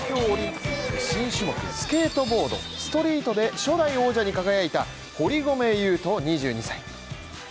東京オリンピック新種目のスケートボードストリートで初代王者に輝いた堀米雄斗２２歳。